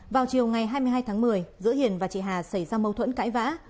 vào chiều ngày hai mươi hai tháng một mươi giữa hiền và chị hà xảy ra mâu thuẫn cãi vã